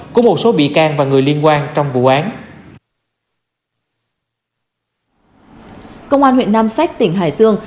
công an huyện nam sách tỉnh hải dương